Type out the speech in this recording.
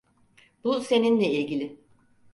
Bu seninle ilgili.